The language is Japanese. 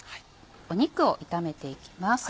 肉を炒めていきます。